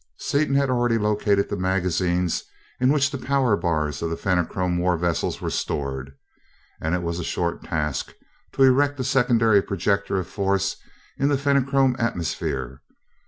Seaton had already located the magazines in which the power bars of the Fenachrone war vessels were stored, and it was a short task to erect a secondary projector of force in the Fenachrone atmosphere.